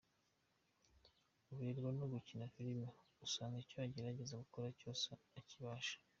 Aberwa no gukina film, usanga icyo agerageje gukora cyose akibasha.